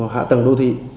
hạ tầng đô thị